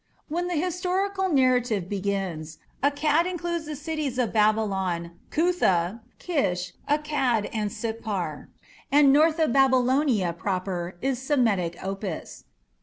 When the historical narrative begins Akkad included the cities of Babylon, Cutha, Kish, Akkad, and Sippar, and north of Babylonia proper is Semitic Opis.